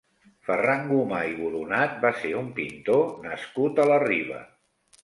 Ferran Gomà i Boronat va ser un pintor nascut a la Riba.